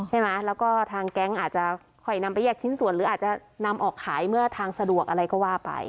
ใช่ไหมแล้วก็ทางแก๊งอาจจะค่อยนำไปแยกชิ้นส่วนหรืออาจจะนำออกขายเมื่อทางสะดวกอะไรก็ว่าไป